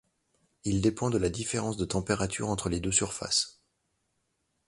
Il dépend de la différence de température entre les deux surfaces.